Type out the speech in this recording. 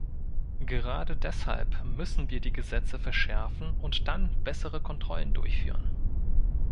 Gerade deshalb müssen wir die Gesetze verschärfen und dann bessere Kontrollen durchführen.